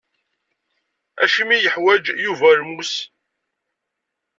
Acimi i yeḥwaǧ Yuba lmus?